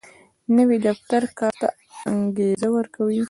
نوی دفتر کار ته انګېزه ورکوي